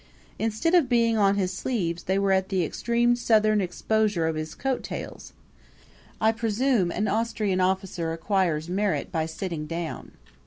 Instead of being on his sleeves they were at the extreme southern exposure of his coattails; I presume an Austrian officer acquires merit by sitting down.